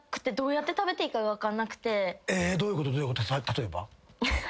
例えば？